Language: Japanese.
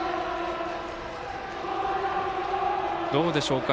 どうでしょうか。